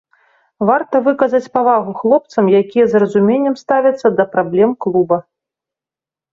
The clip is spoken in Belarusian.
Варта выказаць павагу хлопцам, якія з разуменнем ставяцца да праблем клуба.